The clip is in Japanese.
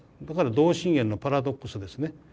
だから同心円のパラドックスですね。